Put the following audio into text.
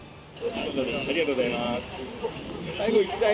ありがとうございます。